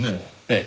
ええ。